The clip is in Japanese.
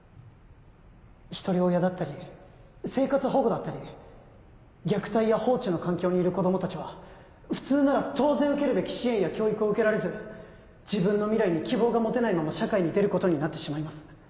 一人親だったり生活保護だったり虐待や放置の環境にいる子供たちは普通なら当然受けるべき支援や教育を受けられず自分の未来に希望が持てないまま社会に出ることになってしまいます。